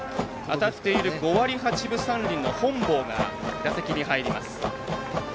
当たっている５割８分３厘の本坊が打席に入ります。